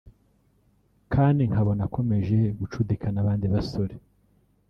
kandi nkabona akomeje gucudika n’abandi basore